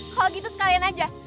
kalo gitu sekalian aja